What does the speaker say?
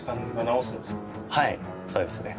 はいそうですね。